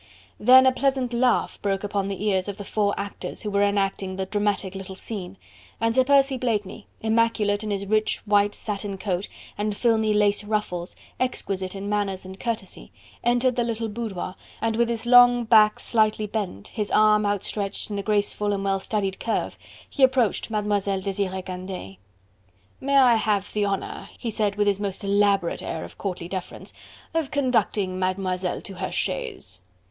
Then a pleasant laugh broke upon the ears of the four actors who were enacting the dramatic little scene, and Sir Percy Blakeney, immaculate in his rich white satin coat and filmy lace ruffles, exquisite in manners and courtesy, entered the little boudoir, and with his long back slightly bent, his arm outstretched in a graceful and well studied curve, he approached Mademoiselle Desiree Candeille. "May I have the honour," he said with his most elaborate air of courtly deference, "of conducting Mademoiselle to her chaise?"